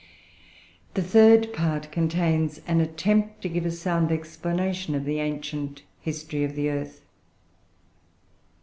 The third part contains an "Attempt to give a sound explanation of the ancient history of the earth."